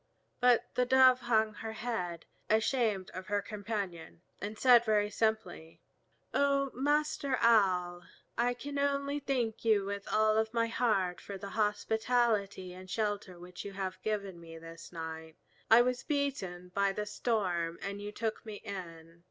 But the Dove hung her head, ashamed of her companion, and said very simply: "O Master Owl, I can only thank you with all my heart for the hospitality and shelter which you have given me this night. I was beaten by the storm, and you took me in.